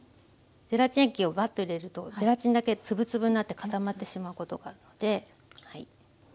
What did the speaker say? ゼラチン液をバッと入れるとゼラチンだけ粒々になって固まってしまうことがあってはい。